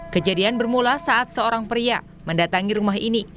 kejadian bermula saat seorang pria mendatangi rumah ini